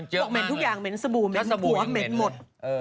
เหม็นทุกอย่างเหม็นสบู่เหม็นหัวเหม็นหมด